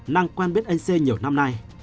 năng quen biết anh c nhiều năm nay